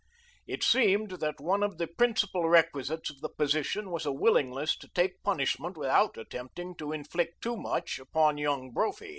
It seemed that one of the principal requisites of the position was a willingness to take punishment without attempting to inflict too much upon Young Brophy.